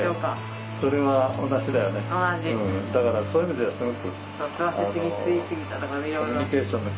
だからそういう意味ではすごく。